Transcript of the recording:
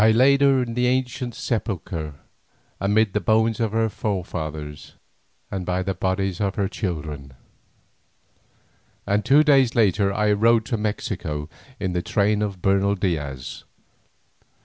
I laid her in the ancient sepulchre amid the bones of her forefathers and by the bodies of her children, and two days later I rode to Mexico in the train of Bernal Diaz.